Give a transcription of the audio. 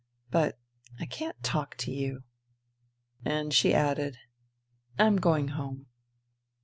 But ... I can't talk to you." And she added, " I am going home."